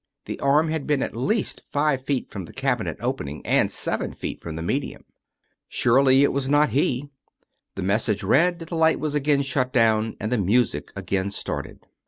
The arm had been at least five feet from the cabinet opening and seven feet from the medium. Surely, it was not he. The mes sage read, the light was again shut down and the music again started.